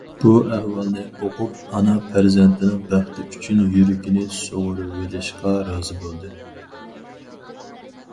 بۇ ئەھۋالنى ئۇقۇپ، ئانا پەرزەنتىنىڭ بەختى ئۈچۈن يۈرىكىنى سۇغۇرۇۋېلىشقا رازى بولىدۇ.